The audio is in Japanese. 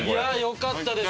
よかったです